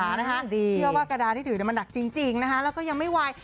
เชื่อว่ากระดาษที่ถือมันหนักจริงนะคะแล้วก็ยังไม่ไหว